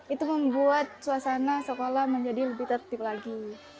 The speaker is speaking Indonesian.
itu membuat suasana sekolah menjadi lebih tertib lagi